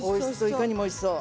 いかにもおいしそう。